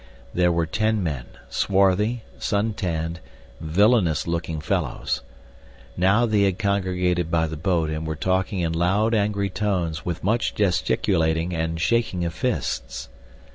There were ten men, swarthy, sun tanned, villainous looking fellows. Now they had congregated by the boat and were talking in loud, angry tones, with much gesticulating and shaking of fists.